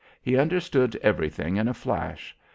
He understood everything in a flash.